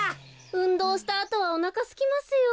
うんどうしたあとはおなかすきますよ。